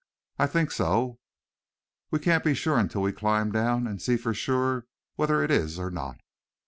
"I think so. We can't be sure until we climb down and see for sure whether it is or not."